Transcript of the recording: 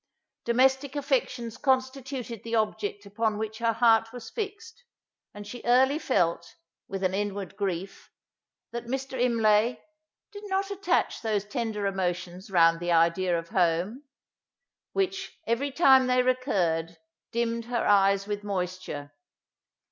Domestic affections constituted the object upon which her heart was fixed; and she early felt, with an inward grief, that Mr. Imlay "did not attach those tender emotions round the idea of home," which, every time they recurred, dimmed her eyes with moisture.